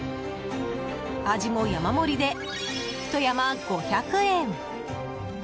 アジも山盛りでひと山５００円。